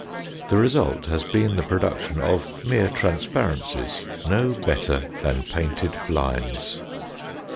The result has been the production of mere transparencies no better than painted blinds.